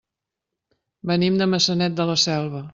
Venim de Maçanet de la Selva.